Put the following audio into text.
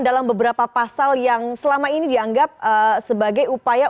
dalam beberapa pasal yang selama ini dianggap sebagai upaya